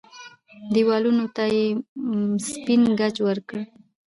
دېوالونو ته يې سپين ګچ ورکړ.